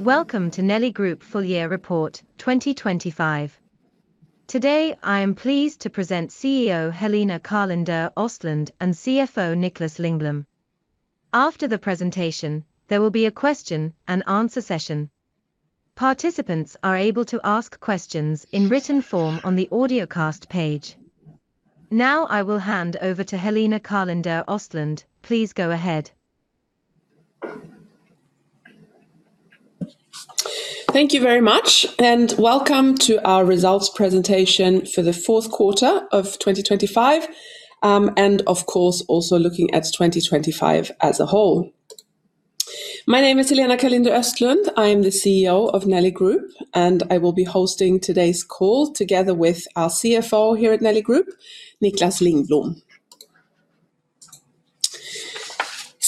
Welcome to Nelly Group full year report 2025. Today I am pleased to present CEO Helena Karlinder-Östlundh and CFO Niklas Lingblom. After the presentation there will be a question and answer session. Participants are able to ask questions in written form on the audiocast page. Now I will hand over to Helena Karlinder-Östlundh, please go ahead. Thank you very much and welcome to our results presentation for the fourth quarter of 2025 and of course also looking at 2025 as a whole. My name is Helena Karlinder-Östlundh, I am the CEO of Nelly Group and I will be hosting today's call together with our CFO here at Nelly Group, Niklas Lingblom.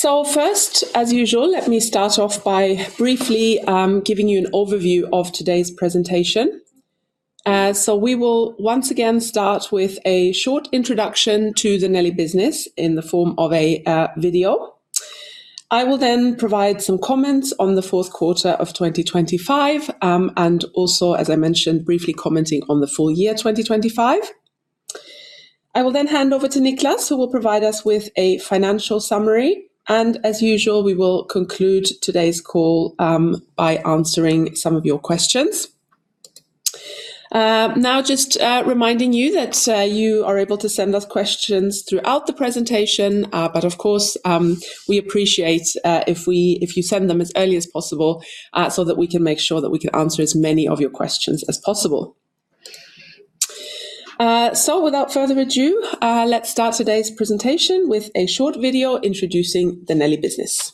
So first as usual let me start off by briefly giving you an overview of today's presentation. So we will once again start with a short introduction to the Nelly business in the form of a video. I will then provide some comments on the fourth quarter of 2025 and also as I mentioned briefly commenting on the full year 2025. I will then hand over to Niklas who will provide us with a financial summary and as usual we will conclude today's call by answering some of your questions. Now just reminding you that you are able to send us questions throughout the presentation but of course we appreciate if you send them as early as possible so that we can make sure that we can answer as many of your questions as possible. So without further ado let's start today's presentation with a short video introducing the Nelly business.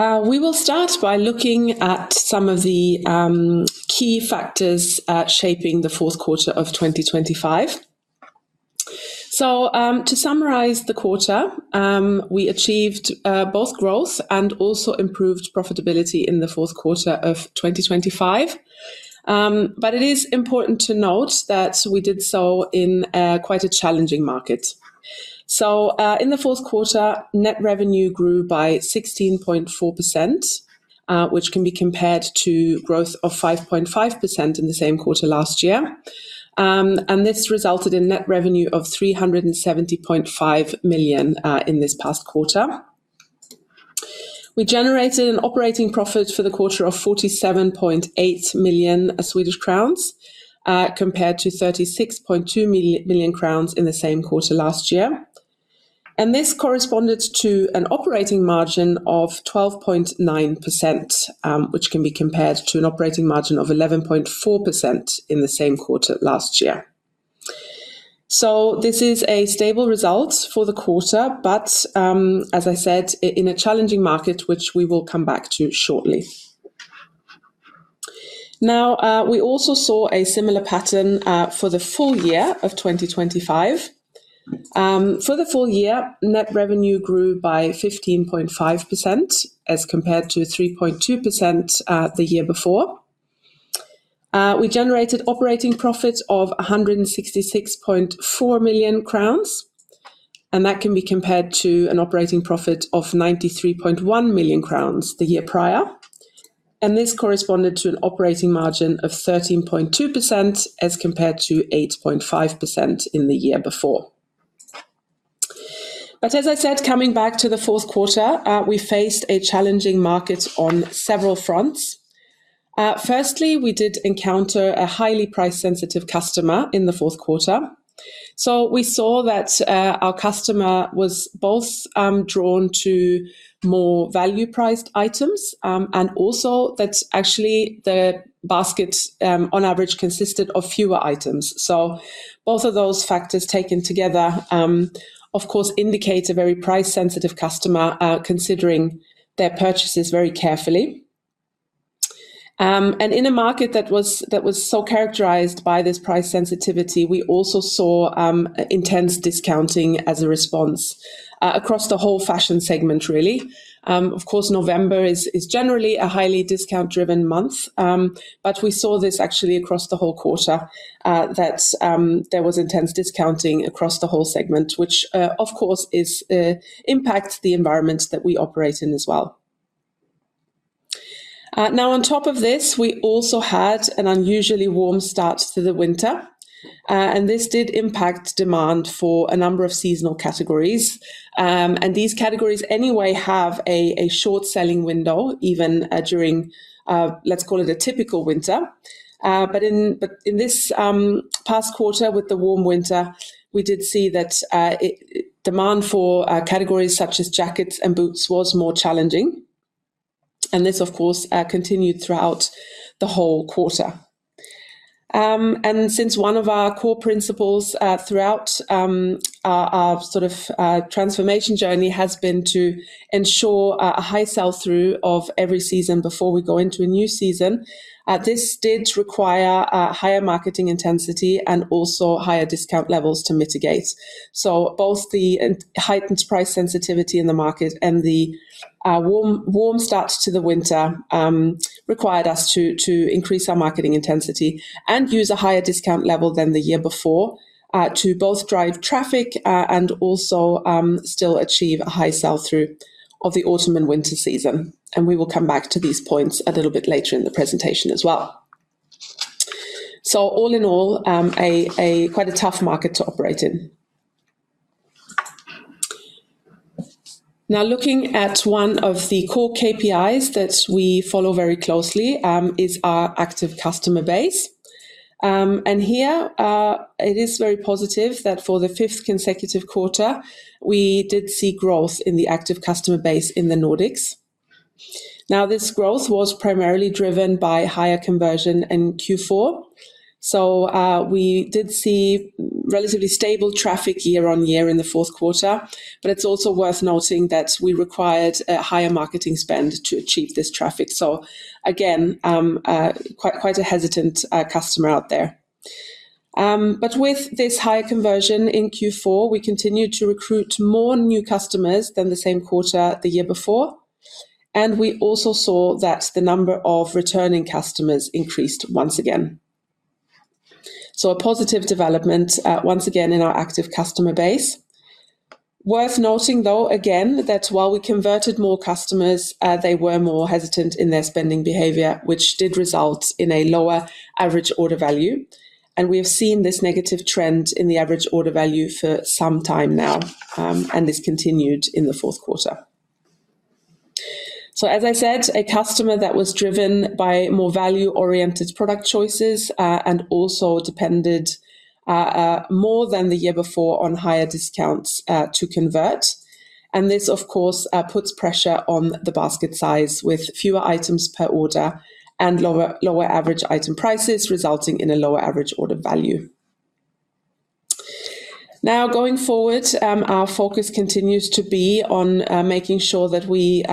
So we will start by looking at some of the key factors shaping the fourth quarter of 2025. So to summarize the quarter we achieved both growth and also improved profitability in the fourth quarter of 2025. But it is important to note that we did so in quite a challenging market. So in the fourth quarter net revenue grew by 16.4% which can be compared to growth of 5.5% in the same quarter last year and this resulted in net revenue of 370.5 million in this past quarter. We generated an operating profit for the quarter of 47.8 million Swedish crowns compared to 36.2 million crowns in the same quarter last year and this corresponded to an operating margin of 12.9% which can be compared to an operating margin of 11.4% in the same quarter last year. This is a stable result for the quarter but as I said in a challenging market which we will come back to shortly. Now we also saw a similar pattern for the full year of 2025. For the full year net revenue grew by 15.5% as compared to 3.2% the year before. We generated operating profits of 166.4 million crowns and that can be compared to an operating profit of 93.1 million crowns the year prior and this corresponded to an operating margin of 13.2% as compared to 8.5% in the year before. But as I said, coming back to the fourth quarter, we faced a challenging market on several fronts. Firstly, we did encounter a highly price-sensitive customer in the fourth quarter. So we saw that our customer was both drawn to more value-priced items and also that actually the basket on average consisted of fewer items. So both of those factors taken together, of course, indicate a very price-sensitive customer considering their purchases very carefully. And in a market that was so characterized by this price sensitivity, we also saw intense discounting as a response across the whole fashion segment, really. Of course, November is generally a highly discount-driven month, but we saw this actually across the whole quarter, that there was intense discounting across the whole segment, which of course impacts the environment that we operate in as well. Now on top of this, we also had an unusually warm start to the winter, and this did impact demand for a number of seasonal categories, and these categories anyway have a short selling window, even during, let's call it, a typical winter. But in this past quarter, with the warm winter, we did see that demand for categories such as jackets and boots was more challenging, and this of course continued throughout the whole quarter. And since one of our core principles throughout our sort of transformation journey has been to ensure a high sell-through of every season before we go into a new season, this did require higher marketing intensity and also higher discount levels to mitigate. So both the heightened price sensitivity in the market and the warm start to the winter required us to increase our marketing intensity and use a higher discount level than the year before to both drive traffic and also still achieve a high sell-through of the autumn and winter season. We will come back to these points a little bit later in the presentation as well. All in all, a quite tough market to operate in. Now looking at one of the core KPIs that we follow very closely is our active customer base. Here it is very positive that for the fifth consecutive quarter we did see growth in the active customer base in the Nordics. This growth was primarily driven by higher conversion in Q4. We did see relatively stable traffic year-on-year in the fourth quarter. But it's also worth noting that we required a higher marketing spend to achieve this traffic. So again quite a hesitant customer out there. But with this high conversion in Q4 we continued to recruit more new customers than the same quarter the year before and we also saw that the number of returning customers increased once again. So a positive development once again in our active customer base. Worth noting though again that while we converted more customers they were more hesitant in their spending behavior which did result in a lower average order value. And we have seen this negative trend in the average order value for some time now and this continued in the fourth quarter. So as I said a customer that was driven by more value oriented product choices and also depended more than the year before on higher discounts to convert. This of course puts pressure on the basket size with fewer items per order and lower average item prices resulting in a lower average order value. Now going forward our focus continues to be on making sure that we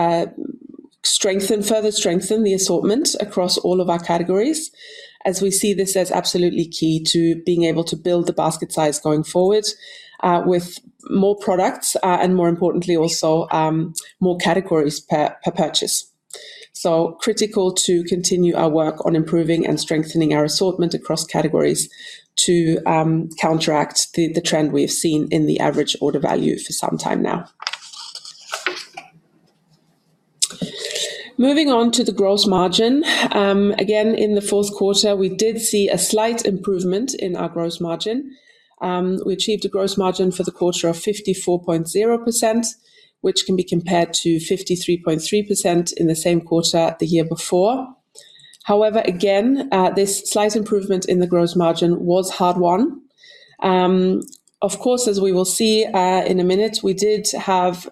strengthen further the assortment across all of our categories as we see this as absolutely key to being able to build the basket size going forward with more products and more importantly also more categories per purchase. Critical to continue our work on improving and strengthening our assortment across categories to counteract the trend we have seen in the average order value for some time now. Moving on to the gross margin. Again in the fourth quarter we did see a slight improvement in our gross margin. We achieved a gross margin for the quarter of 54.0% which can be compared to 53.3% in the same quarter the year before. However, again, this slight improvement in the gross margin was hard won. Of course, as we will see in a minute, we did have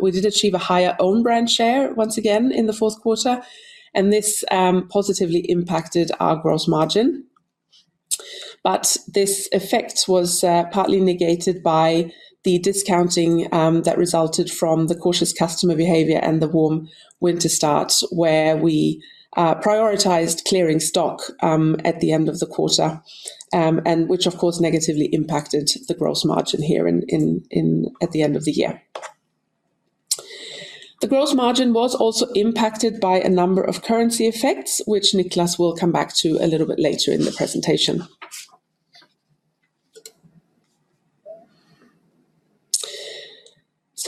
we did achieve a higher own brand share once again in the fourth quarter and this positively impacted our gross margin. But this effect was partly negated by the discounting that resulted from the cautious customer behavior and the warm winter start where we prioritized clearing stock at the end of the quarter and which of course negatively impacted the gross margin here at the end of the year. The gross margin was also impacted by a number of currency effects, which Niklas will come back to a little bit later in the presentation.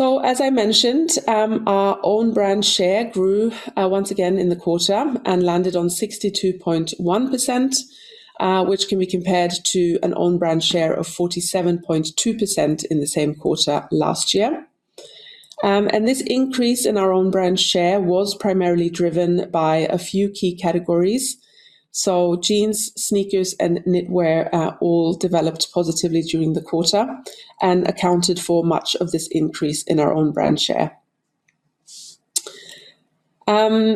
So as I mentioned, our own brand share grew once again in the quarter and landed on 62.1%, which can be compared to an own brand share of 47.2% in the same quarter last year. This increase in our own brand share was primarily driven by a few key categories. Jeans, sneakers, and knitwear all developed positively during the quarter and accounted for much of this increase in our own brand share.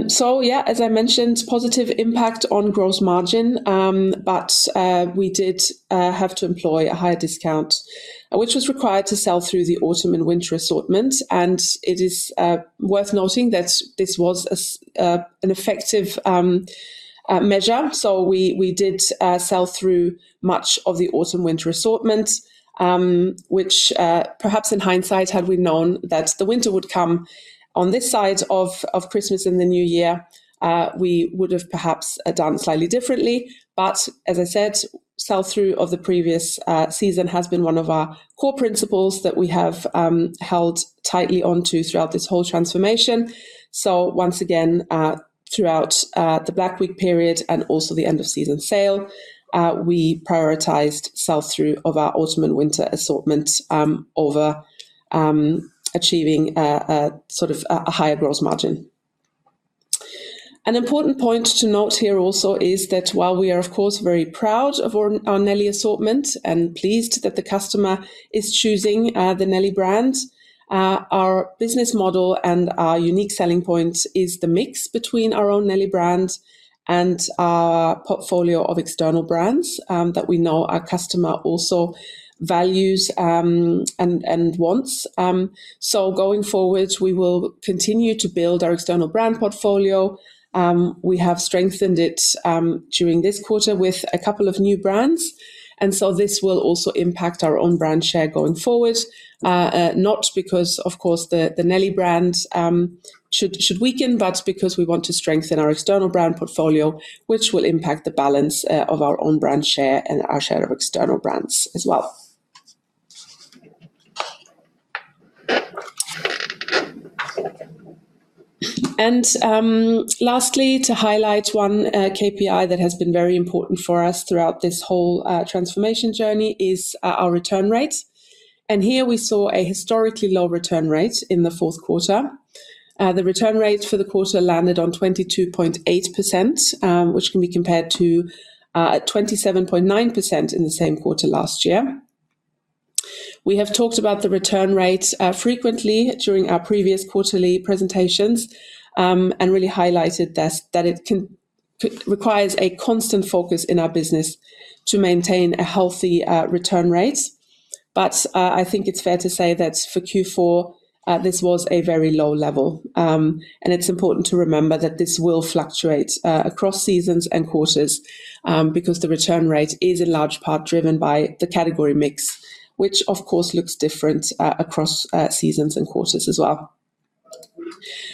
So yeah, as I mentioned, positive impact on gross margin. But we did have to employ a higher discount, which was required to sell through the autumn and winter assortment. It is worth noting that this was an effective measure. So we did sell through much of the autumn winter assortment which perhaps in hindsight had we known that the winter would come on this side of Christmas and the New Year we would have perhaps done slightly differently. But as I said, sell through of the previous season has been one of our core principles that we have held tightly on to throughout this whole transformation. So once again throughout the Black Week period and also the end of season sale we prioritized sell through of our autumn and winter assortment over achieving a sort of a higher gross margin. An important point to note here also is that while we are of course very proud of our Nelly assortment and pleased that the customer is choosing the Nelly brand, our business model and our unique selling point is the mix between our own Nelly brand and our portfolio of external brands that we know our customer also values and wants. So going forward we will continue to build our external brand portfolio. We have strengthened it during this quarter with a couple of new brands. And so this will also impact our own brand share going forward. Not because of course the Nelly brand should weaken but because we want to strengthen our external brand portfolio which will impact the balance of our own brand share and our share of external brands as well. Lastly to highlight one KPI that has been very important for us throughout this whole transformation journey is our return rate. Here we saw a historically low return rate in the fourth quarter. The return rate for the quarter landed on 22.8% which can be compared to 27.9% in the same quarter last year. We have talked about the return rate frequently during our previous quarterly presentations and really highlighted that it requires a constant focus in our business to maintain a healthy return rate. But I think it's fair to say that for Q4 this was a very low level. It's important to remember that this will fluctuate across seasons and quarters because the return rate is in large part driven by the category mix which of course looks different across seasons and quarters as well.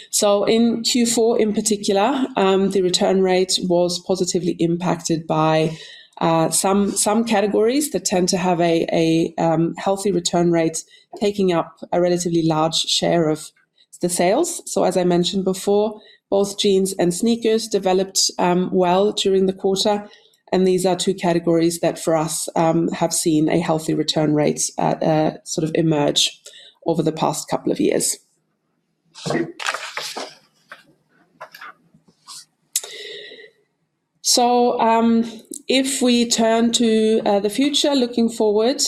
So in Q4 in particular the return rate was positively impacted by some categories that tend to have a healthy return rate taking up a relatively large share of the sales. So as I mentioned before both jeans and sneakers developed well during the quarter and these are two categories that for us have seen a healthy return rate sort of emerge over the past couple of years. So if we turn to the future looking forward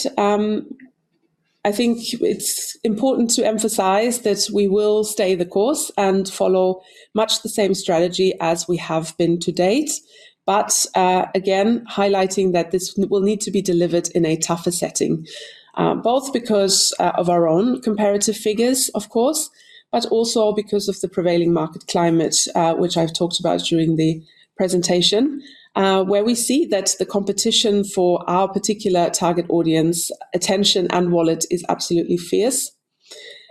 I think it's important to emphasize that we will stay the course and follow much the same strategy as we have been to date. But again highlighting that this will need to be delivered in a tougher setting both because of our own comparative figures of course but also because of the prevailing market climate which I've talked about during the presentation where we see that the competition for our particular target audience attention and wallet is absolutely fierce.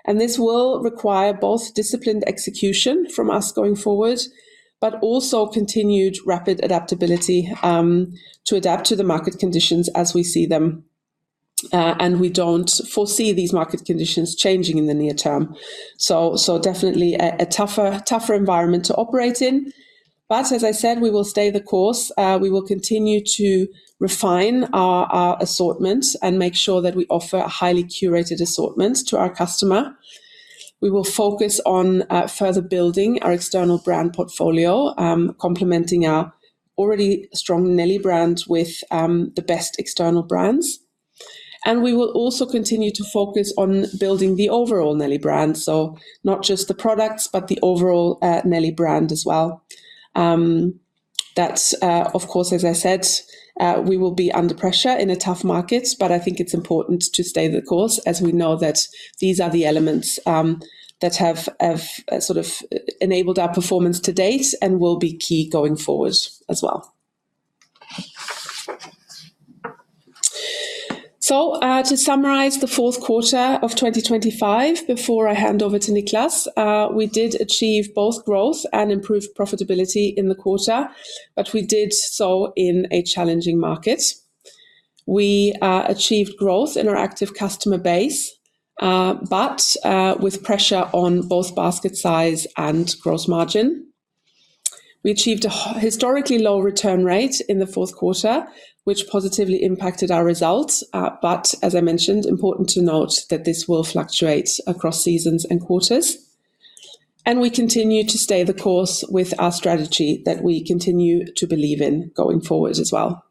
And this will require both disciplined execution from us going forward but also continued rapid adaptability to adapt to the market conditions as we see them. And we don't foresee these market conditions changing in the near term. So so definitely a tougher tougher environment to operate in. But as I said we will stay the course. We will continue to refine our assortment and make sure that we offer a highly curated assortment to our customer. We will focus on further building our external brand portfolio complementing our already strong Nelly brand with the best external brands. We will also continue to focus on building the overall Nelly brand. Not just the products but the overall Nelly brand as well. That's of course as I said we will be under pressure in a tough market. I think it's important to stay the course as we know that these are the elements that have sort of enabled our performance to date and will be key going forward as well. To summarize the fourth quarter of 2025 before I hand over to Niklas we did achieve both growth and improved profitability in the quarter. We did so in a challenging market. We achieved growth in our active customer base but with pressure on both basket size and gross margin. We achieved a historically low return rate in the fourth quarter, which positively impacted our results. But as I mentioned, important to note that this will fluctuate across seasons and quarters and we continue to stay the course with our strategy that we continue to believe in going forward as well.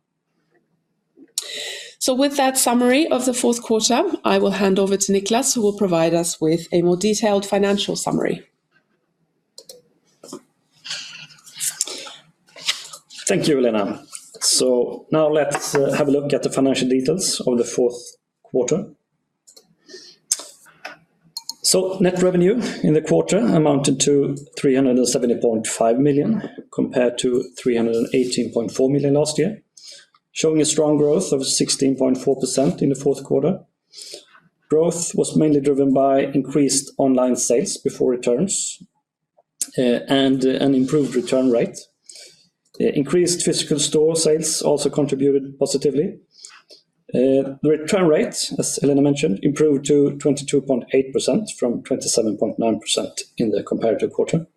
So with that summary of the fourth quarter, I will hand over to Niklas who will provide us with a more detailed financial summary. Thank you, Helena. So now let's have a look at the financial details of the fourth quarter. So net revenue in the quarter amounted to 370.5 million compared to 318.4 million last year showing a strong growth of 16.4% in the fourth quarter. Growth was mainly driven by increased online sales before returns and an improved return rate. Increased physical store sales also contributed positively. The return rate as Helena mentioned improved to 22.8% from 27.9% in the comparative quarter.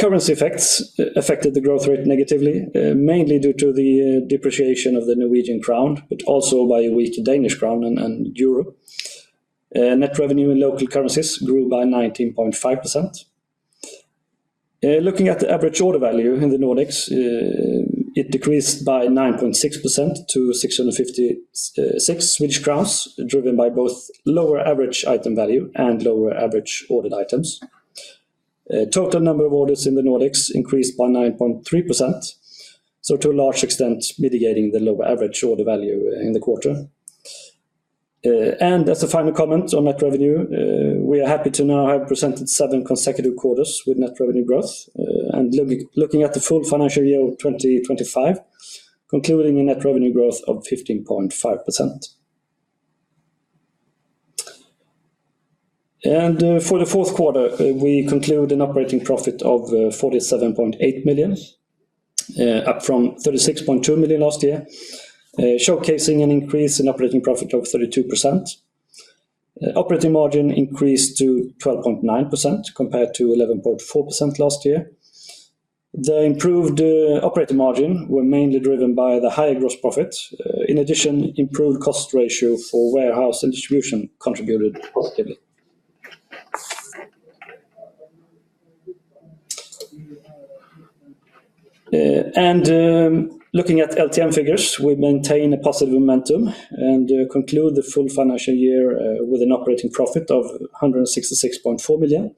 Currency effects affected the growth rate negatively mainly due to the depreciation of the Norwegian krone but also by a weaker Danish krone and euro. Net revenue in local currencies grew by 19.5%. Looking at the average order value in the Nordics, it decreased by 9.6% to 656 Swedish crowns driven by both lower average item value and lower average ordered items. Total number of orders in the Nordics increased by 9.3%, so to a large extent mitigating the lower average order value in the quarter. As a final comment on net revenue, we are happy to now have presented seven consecutive quarters with net revenue growth, and looking at the full financial year 2025 concluding in net revenue growth of 15.5%. For the fourth quarter we conclude an operating profit of 47.8 million up from 36.2 million last year showcasing an increase in operating profit of 32%. Operating margin increased to 12.9% compared to 11.4% last year. The improved operating margin were mainly driven by the higher gross profit. In addition improved cost ratio for warehouse and distribution contributed positively. Looking at LTM figures we maintain a positive momentum and conclude the full financial year with an operating profit of 166.4 million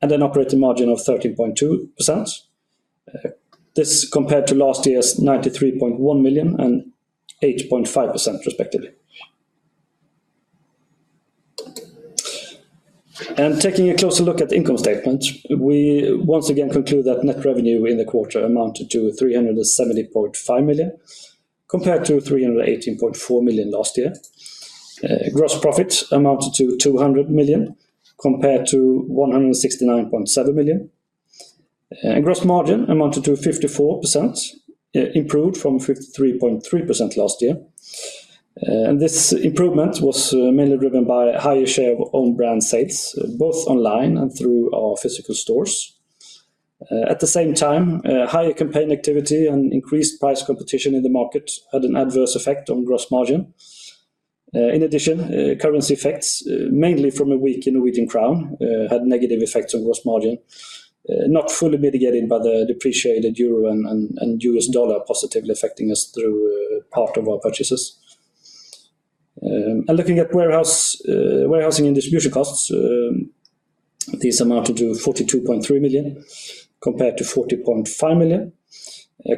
and an operating margin of 13.2%. This compared to last year's 93.1 million and 8.5% respectively. Taking a closer look at income statements we once again conclude that net revenue in the quarter amounted to 370.5 million compared to 318.4 million last year. Gross profit amounted to 200 million compared to 169.7 million and gross margin amounted to 54% improved from 53.3% last year. This improvement was mainly driven by a higher share of own brand sales both online and through our physical stores. At the same time, higher campaign activity and increased price competition in the market had an adverse effect on gross margin. In addition, currency effects, mainly from a weaker Norwegian crown, had negative effects on gross margin not fully mitigated by the depreciated euro and U.S. dollar positively affecting us through part of our purchases. Looking at warehousing and distribution costs, these amounted to 42.3 million compared to 40.5 million.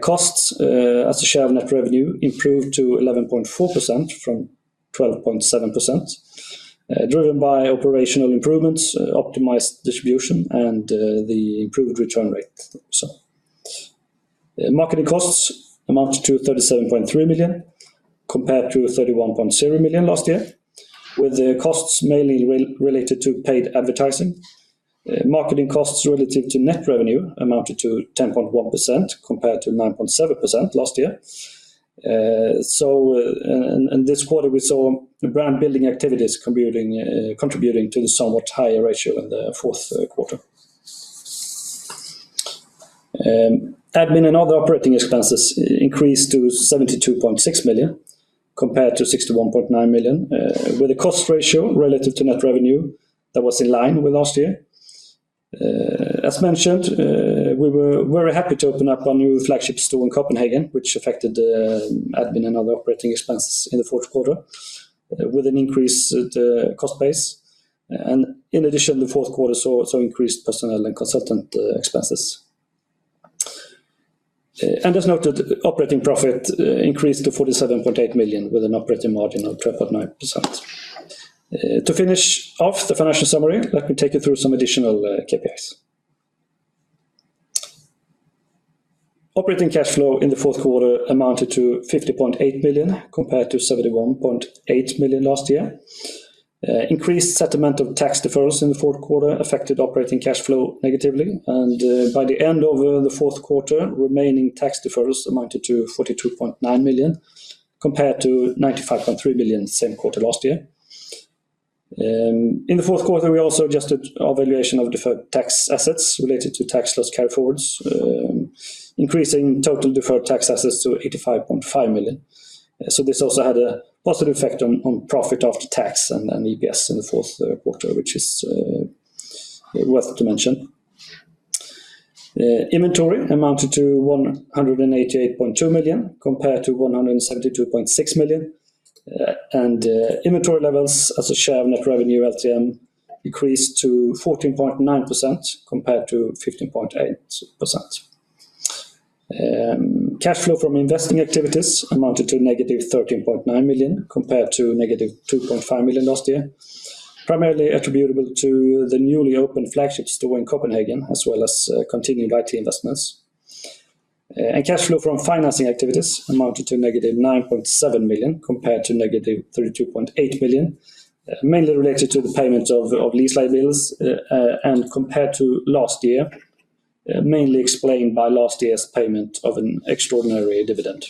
Costs, as a share of net revenue, improved to 11.4% from 12.7% driven by operational improvements optimized distribution and the improved return rate. Marketing costs amounted to 37.3 million compared to 31.0 million last year with the costs mainly related to paid advertising. Marketing costs relative to net revenue amounted to 10.1% compared to 9.7% last year. So in this quarter we saw brand building activities contributing to the somewhat higher ratio in the fourth quarter. Admin and other operating expenses increased to 72.6 million compared to 61.9 million with a cost ratio relative to net revenue that was in line with last year. As mentioned, we were very happy to open up our new flagship store in Copenhagen which affected admin and other operating expenses in the fourth quarter with an increase at the cost base. In addition the fourth quarter saw increased personnel and consultant expenses. As noted, operating profit increased to 47.8 million with an operating margin of 12.9%. To finish off the financial summary, let me take you through some additional KPIs. Operating cash flow in the fourth quarter amounted to 50.8 million compared to 71.8 million last year. Increased settlement of tax deferrals in the fourth quarter affected operating cash flow negatively and by the end of the fourth quarter remaining tax deferrals amounted to 42.9 million compared to 95.3 million same quarter last year. In the fourth quarter we also adjusted our valuation of deferred tax assets related to tax loss carryforwards increasing total deferred tax assets to 85.5 million. So this also had a positive effect on profit after tax and EPS in the fourth quarter which is worth to mention. Inventory amounted to 188.2 million compared to 172.6 million and inventory levels as a share of net revenue LTM decreased to 14.9% compared to 15.8%. Cash flow from investing activities amounted to -13.9 million compared to -2.5 million last year, primarily attributable to the newly opened flagship store in Copenhagen as well as continued IT investments. Cash flow from financing activities amounted to -9.7 million compared to -32.8 million, mainly related to the payment of lease liabilities and compared to last year mainly explained by last year's payment of an extraordinary dividend.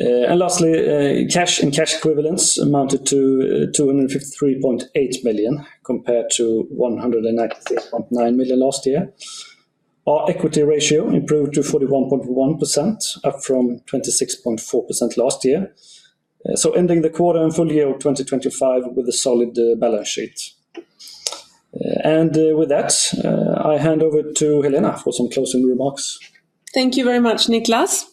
Lastly, cash and cash equivalents amounted to 253.8 million compared to 196.9 million last year. Our equity ratio improved to 41.1% up from 26.4% last year. Ending the quarter and full year of 2025 with a solid balance sheet. With that I hand over to Helena for some closing remarks. Thank you very much Niklas.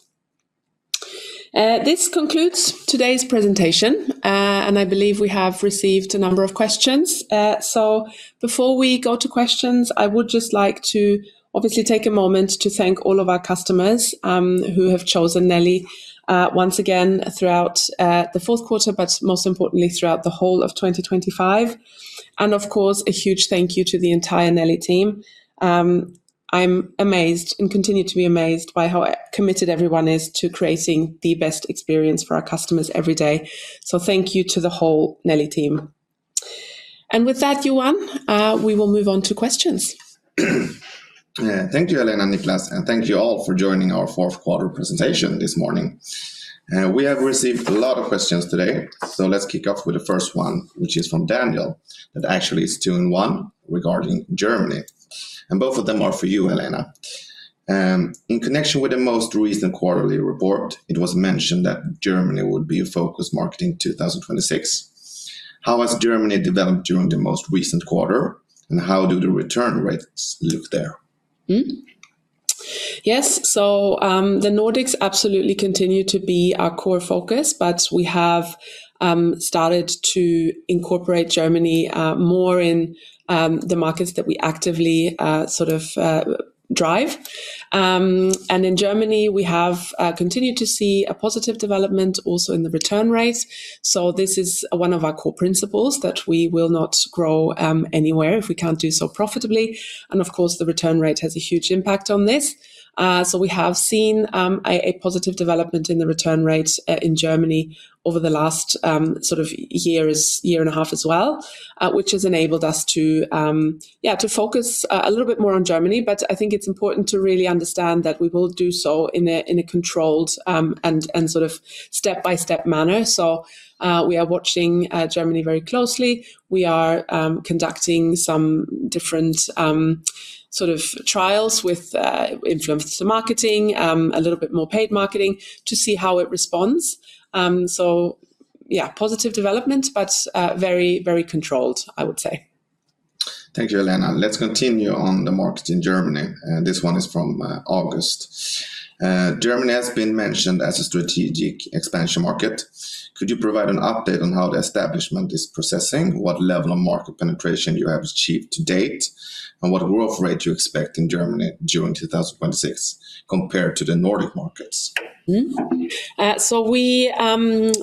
This concludes today's presentation and I believe we have received a number of questions. So before we go to questions I would just like to obviously take a moment to thank all of our customers who have chosen Nelly once again throughout the fourth quarter but most importantly throughout the whole of 2025. And of course a huge thank you to the entire Nelly team. I'm amazed and continue to be amazed by how committed everyone is to creating the best experience for our customers every day. So thank you to the whole Nelly team. And with that Johan we will move on to questions. Thank you Helena and Niklas and thank you all for joining our fourth quarter presentation this morning. We have received a lot of questions today so let's kick off with the first one which is from Daniel that actually is two in one regarding Germany. And both of them are for you Helena. In connection with the most recent quarterly report, it was mentioned that Germany would be a focus market in 2026. How has Germany developed during the most recent quarter and how do the return rates look there? Yes. The Nordics absolutely continue to be our core focus, but we have started to incorporate Germany more in the markets that we actively sort of drive. In Germany, we have continued to see a positive development, also in the return rates. This is one of our core principles that we will not grow anywhere if we can't do so profitably. Of course, the return rate has a huge impact on this. So we have seen a positive development in the return rates in Germany over the last sort of year or year and a half as well, which has enabled us to, yeah, to focus a little bit more on Germany. But I think it's important to really understand that we will do so in a controlled and sort of step-by-step manner. So we are watching Germany very closely. We are conducting some different sort of trials with influencer marketing, a little bit more paid marketing, to see how it responds. So yeah, positive development but very, very controlled, I would say. Thank you, Helena. Let's continue on the market in Germany. This one is from August. Germany has been mentioned as a strategic expansion market. Could you provide an update on how the establishment is processing what level of market penetration you have achieved to date and what growth rate you expect in Germany during 2026 compared to the Nordic markets? So we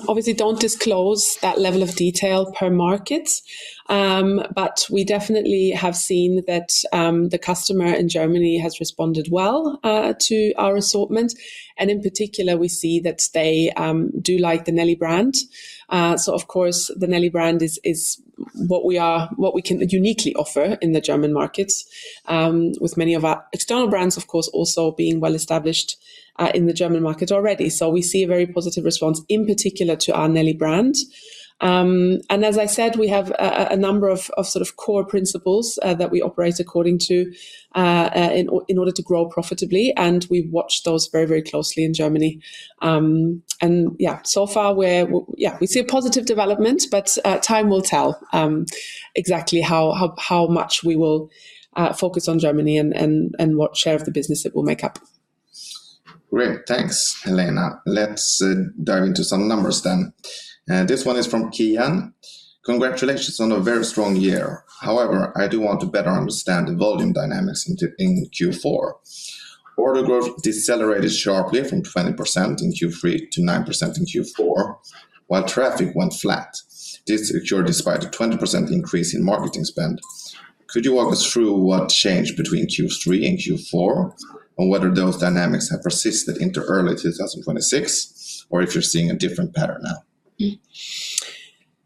obviously don't disclose that level of detail per markets but we definitely have seen that the customer in Germany has responded well to our assortment. In particular we see that they do like the Nelly brand. So of course the Nelly brand is what we are what we can uniquely offer in the German markets with many of our external brands of course also being well established in the German market already. So we see a very positive response in particular to our Nelly brand. And as I said we have a number of sort of core principles that we operate according to in order to grow profitably and we watch those very very closely in Germany. And yeah so far we're yeah we see a positive development but time will tell exactly how much we will focus on Germany and what share of the business it will make up. Great. Thanks Helena. Let's dive into some numbers then. This one is from Kian. Congratulations on a very strong year. However I do want to better understand the volume dynamics in Q4. Order growth decelerated sharply from 20% in Q3 to 9% in Q4 while traffic went flat. This occurred despite a 20% increase in marketing spend. Could you walk us through what changed between Q3 and Q4 and whether those dynamics have persisted into early 2026 or if you're seeing a different pattern now?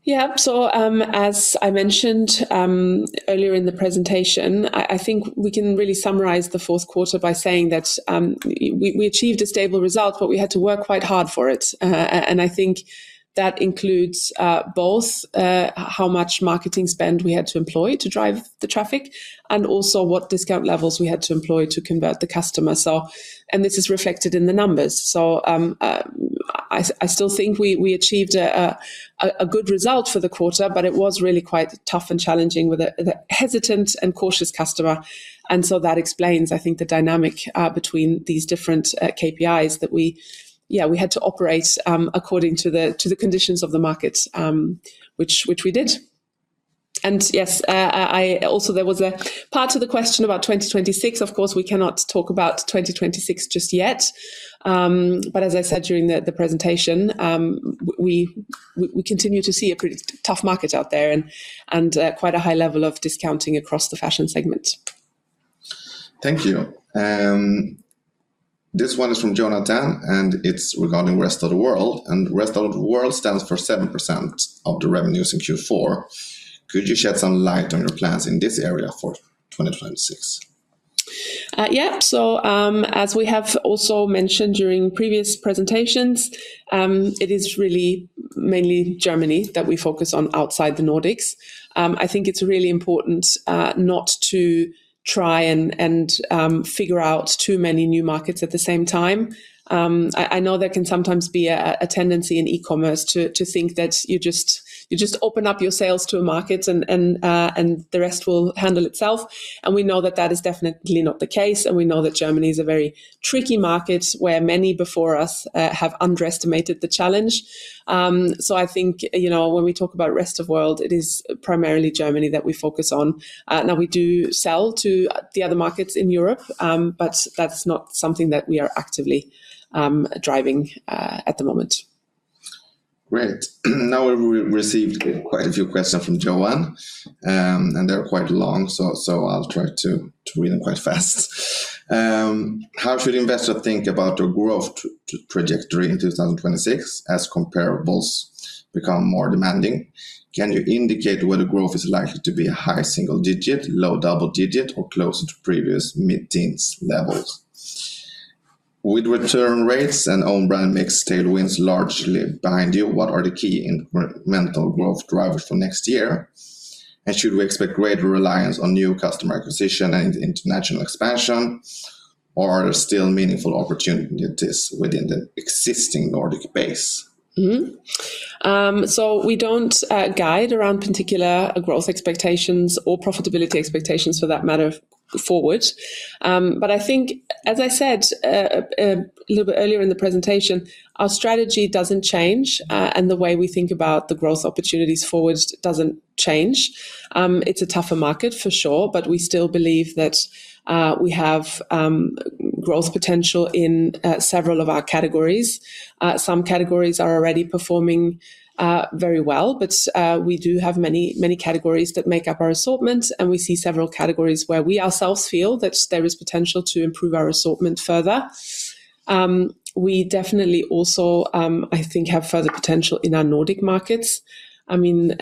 Yeah. So as I mentioned earlier in the presentation, I think we can really summarize the fourth quarter by saying that we achieved a stable result, but we had to work quite hard for it. And I think that includes both how much marketing spend we had to employ to drive the traffic and also what discount levels we had to employ to convert the customer. So and this is reflected in the numbers. So I still think we achieved a good result for the quarter, but it was really quite tough and challenging with a hesitant and cautious customer. And so that explains, I think, the dynamic between these different KPIs that we had to operate according to the conditions of the markets, which we did. And yes, I also there was a part of the question about 2026. Of course we cannot talk about 2026 just yet. But as I said during the presentation we continue to see a pretty tough market out there and quite a high level of discounting across the fashion segment. Thank you. This one is from Jonathan and it's regarding Rest of the World and Rest of the World stands for 7% of the revenues in Q4. Could you shed some light on your plans in this area for 2026? Yeah. So as we have also mentioned during previous presentations it is really mainly Germany that we focus on outside the Nordics. I think it's really important not to try and figure out too many new markets at the same time. I know there can sometimes be a tendency in e-commerce to think that you just open up your sales to a market and the rest will handle itself. We know that that is definitely not the case. We know that Germany is a very tricky market where many before us have underestimated the challenge. So I think when we talk about Rest of the World it is primarily Germany that we focus on. Now we do sell to the other markets in Europe but that's not something that we are actively driving at the moment. Great. Now we've received quite a few questions from Joanne and they're quite long so I'll try to read them quite fast. How should investors think about the growth trajectory in 2026 as comparables become more demanding? Can you indicate whether growth is likely to be a high single digit, low double digit or closer to previous mid-teens levels? With return rates and own brand mix tailwinds largely behind you what are the key incremental growth drivers for next year? Should we expect greater reliance on new customer acquisition and international expansion or are there still meaningful opportunities within the existing Nordic base? We don't guide around particular growth expectations or profitability expectations for that matter forward. I think as I said a little bit earlier in the presentation our strategy doesn't change and the way we think about the growth opportunities forward doesn't change. It's a tougher market for sure but we still believe that we have growth potential in several of our categories. Some categories are already performing very well but we do have many many categories that make up our assortment and we see several categories where we ourselves feel that there is potential to improve our assortment further. We definitely also I think have further potential in our Nordic markets. I mean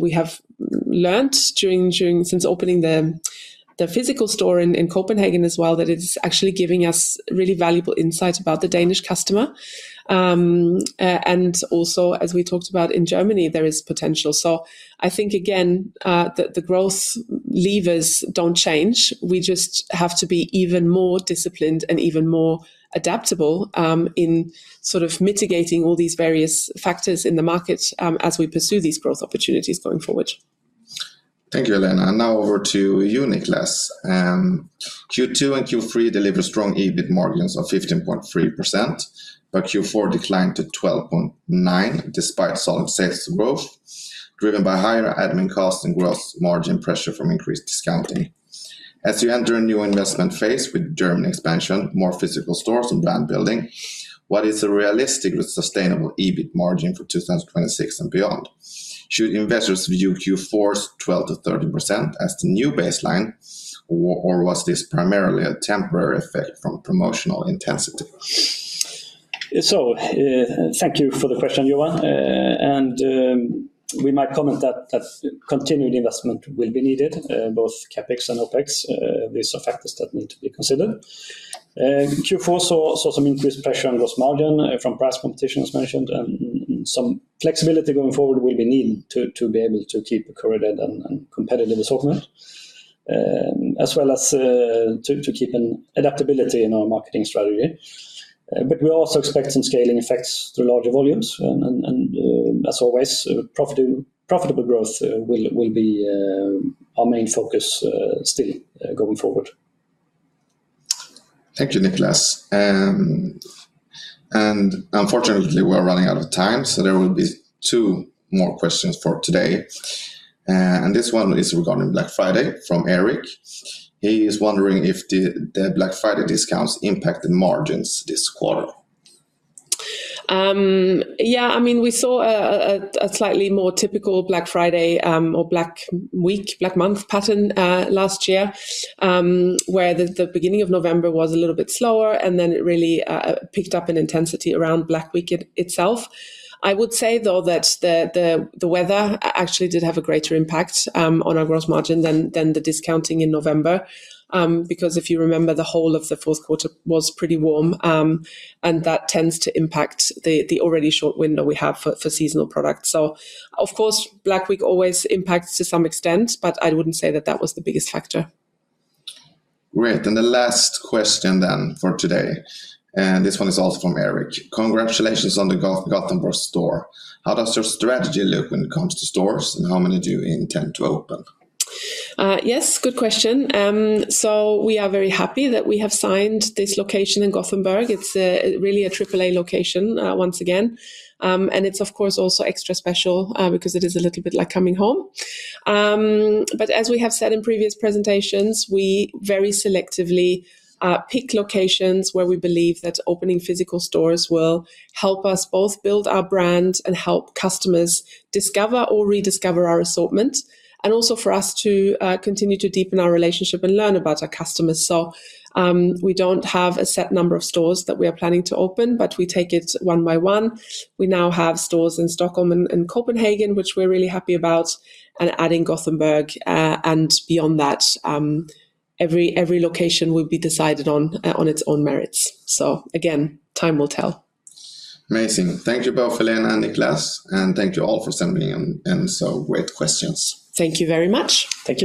we have learned during since opening the physical store in Copenhagen as well that it's actually giving us really valuable insights about the Danish customer. And also as we talked about in Germany there is potential. So I think again the growth levers don't change. We just have to be even more disciplined and even more adaptable in sort of mitigating all these various factors in the markets as we pursue these growth opportunities going forward. Thank you, Helena. Now over to you, Niklas. Q2 and Q3 deliver strong EBIT margins of 15.3% but Q4 declined to 12.9% despite solid sales growth driven by higher admin cost and gross margin pressure from increased discounting. As you enter a new investment phase with German expansion, more physical stores and brand building, what is a realistic sustainable EBIT margin for 2026 and beyond? Should investors view Q4's 12%-13% as the new baseline or was this primarily a temporary effect from promotional intensity? Thank you for the question Johan. We might comment that continued investment will be needed both CapEx and OpEx. These are factors that need to be considered. Q4 saw some increased pressure on gross margin from price competition as mentioned and some flexibility going forward will be needed to be able to keep a correlated and competitive assortment as well as to keep an adaptability in our marketing strategy. We also expect some scaling effects through larger volumes and as always profitable growth will be our main focus still going forward. Thank you Niklas. Unfortunately we are running out of time so there will be two more questions for today. This one is regarding Black Friday from Eric. He is wondering if the Black Friday discounts impacted margins this quarter. Yeah. I mean we saw a slightly more typical Black Friday or Black Week, Black Month pattern last year where the beginning of November was a little bit slower and then it really picked up in intensity around Black Week itself. I would say though that the weather actually did have a greater impact on our gross margin than the discounting in November because if you remember the whole of the fourth quarter was pretty warm and that tends to impact the already short window we have for seasonal products. So of course Black Week always impacts to some extent but I wouldn't say that that was the biggest factor. Great. And the last question then for today. This one is also from Eric. Congratulations on the Gothenburg store. How does your strategy look when it comes to stores and how many do you intend to open? Yes. Good question. So we are very happy that we have signed this location in Gothenburg. It's really a AAA location once again. And it's of course also extra special because it is a little bit like coming home. But as we have said in previous presentations, we very selectively pick locations where we believe that opening physical stores will help us both build our brand and help customers discover or rediscover our assortment and also for us to continue to deepen our relationship and learn about our customers. So we don't have a set number of stores that we are planning to open, but we take it one by one. We now have stores in Stockholm and Copenhagen, which we're really happy about, and adding Gothenburg, and beyond that, every location will be decided on its own merits. So again, time will tell. Amazing. Thank you both, Helena and Niklas, and thank you all for sending in so great questions. Thank you very much. Thank you.